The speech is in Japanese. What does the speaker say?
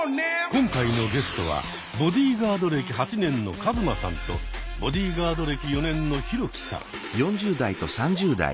今回のゲストはボディーガード歴８年のカズマさんとボディーガード歴４年のヒロキさん。